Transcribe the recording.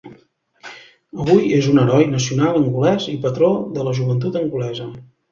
Avui és un heroi nacional angolès i patró de la joventut angolesa.